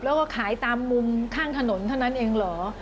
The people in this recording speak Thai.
แล้วก็ขายตามมุมข้างถนนเท่านั้นเองเหรอ